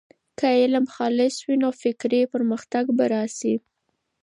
که علم خالص وي، نو فکري پرمختګ به راسي.